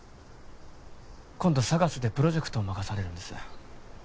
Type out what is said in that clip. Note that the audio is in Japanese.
今度ＳＡＧＡＳでプロジェクトを任されるんです